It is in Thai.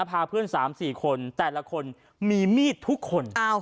พาเพื่อน๓๔คนแต่ละคนมีมีดทุกคน